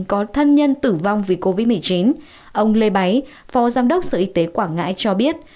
có thân nhân tử vong vì covid một mươi chín ông lê báy phó giám đốc sở y tế quảng ngãi cho biết